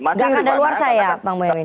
nggak kan dalawar saya bang muawiyah wim